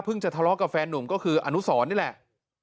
จะทะเลาะกับแฟนหนุ่มก็คืออนุสรนี่แหละ